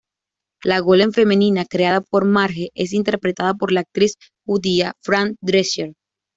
La golem femenina creada por Marge es interpretada por la actriz judía Fran Drescher.